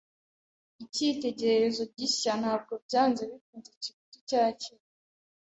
Icyitegererezo gishya ntabwo byanze bikunze kiruta icyakera.